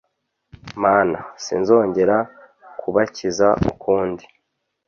mana sinzongera kubakiza ukundi